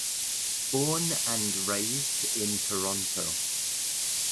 Born and raised in Toronto.